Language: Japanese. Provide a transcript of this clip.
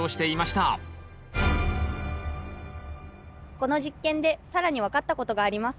この実験で更に分かったことがあります。